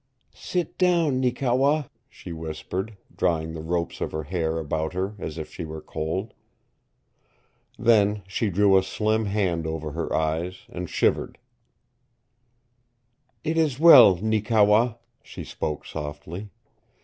"Sit down, Neekewa," she whispered, drawing the ropes of her hair about her as if she were cold. Then she drew a slim hand over her eyes, and shivered. "It is well, Neekewa," she spoke softly.